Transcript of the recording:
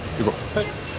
はい。